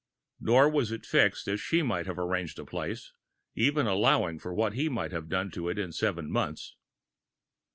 Nor was it fixed as she might have arranged a place, even allowing for what he might have done to it in seven months.